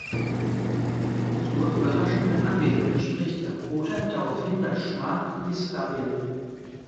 Zur Überraschung der Anwesenden spricht Lakota daraufhin das Schma Jisrael.